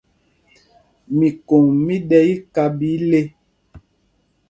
Mikǒŋ mí ɗɛ́ íká ɓɛ íle.